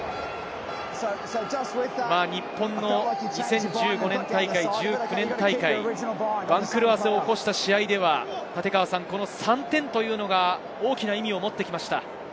日本の２０１５年大会、２０１９年大会、番狂わせを起こした試合ではこの３点が大きな意味を持ってきました。